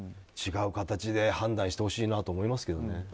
違う形で判断してほしいなと思いますけどね。